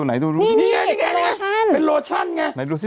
วิธีมีแบบทำผิว